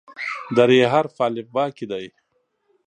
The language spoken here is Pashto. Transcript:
د "ر" حرف په الفبا کې دی.